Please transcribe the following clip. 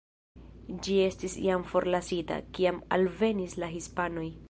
Ĝi estis jam forlasita, kiam alvenis la hispanoj.